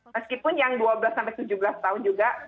meskipun yang dua belas sampai tujuh belas tahun juga